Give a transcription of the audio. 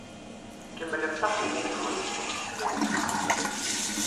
Kemmlemt axeddim-nkent skud teḥmamt.